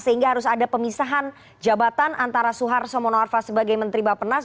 sehingga harus ada pemisahan jabatan antara soeharto mono arfa sebagai menteri bapenas